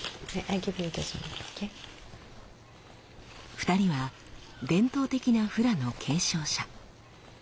２人は伝統的なフラの継承者。